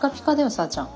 さぁちゃん。